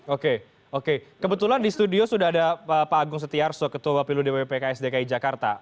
oke oke kebetulan di studio sudah ada pak agung setiarsok ketua bapilun dprp pks dki jakarta